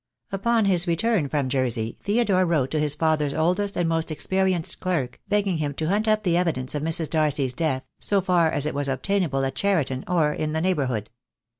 Upon his return from Jersey, Theodore wrote to his father's oldest and most experienced clerk, begging him to hunt up the evidence of Mrs. Darcy's death, so far as it was obtainable at Cheriton or in the neighbourhood.